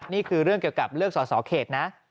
นี่คือเรื่องเกี่ยวกับเลือกสอสอเขตนะ